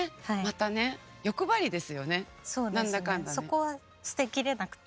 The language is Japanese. そこは捨てきれなくて。